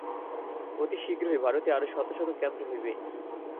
অতি শীঘ্রই ভারতে আরও শত শত কেন্দ্র হইবে।